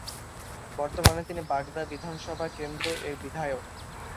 বর্তমানে তিনি বাগদা বিধানসভা কেন্দ্র এর বিধায়ক।